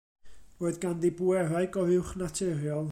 Roedd ganddi bwerau goruwchnaturiol.